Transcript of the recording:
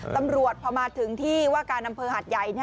ตำรวจพอมาถึงที่ว่าการอำเภอหาดใหญ่